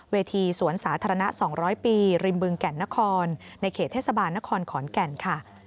เวทีสวนสาธารณะ๒๐๐ปีริมบึงแก่นนครในเขตเทศบาลนครขอนแก่นค่ะ